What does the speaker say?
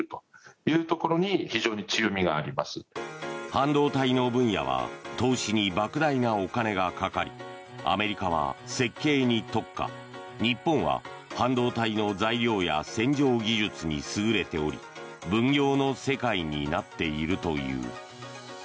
半導体の分野は投資に莫大なお金がかかりアメリカは設計に特化日本は半導体の材料や洗浄技術に優れており分業の世界になっているという。